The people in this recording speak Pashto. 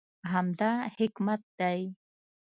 همدا حکمت دی.